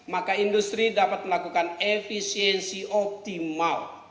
maka industri dapat melakukan efisiensi optimal